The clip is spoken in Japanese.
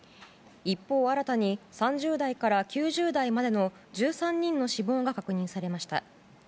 一方、新たに３０代から９０代までの１３人の死亡が確認されました。